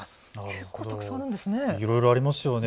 結構たくさんあるんですね。